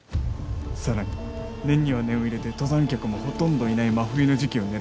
さらに念には念を入れて登山客もほとんどいない真冬の時期を狙ってね。